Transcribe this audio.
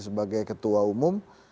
sebagai ketua umum